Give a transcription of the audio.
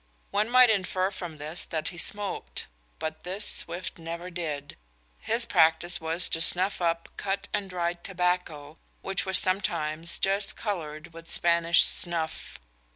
One might infer from this that he smoked, but this Swift never did. His practice was to snuff up cut and dried tobacco, which was sometimes just coloured with Spanish snuff.